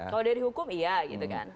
kalau dari hukum iya gitu kan